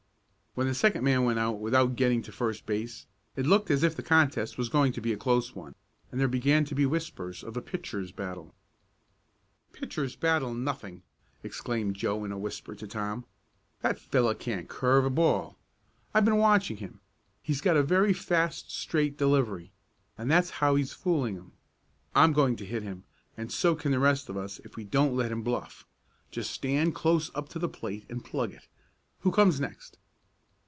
When the second man went out without getting to first base, it looked as if the contest was going to be a close one, and there began to be whispers of a "pitchers' battle." "'Pitchers' battle' nothing!" exclaimed Joe in a whisper to Tom. "That fellow can't curve a ball. I've been watching him. He's got a very fast straight delivery, and that's how he's fooling 'em. I'm going to hit him, and so can the rest of us if we don't let him bluff. Just stand close up to the plate and plug it. Who comes next?"